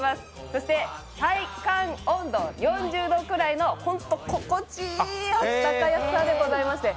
そして体感温度４０度くらいのホント心地いい温かさでございまして。